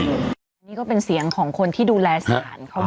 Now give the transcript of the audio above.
นี่ก็เป็นเสียงของคนที่ดูแลศาลเขาบอก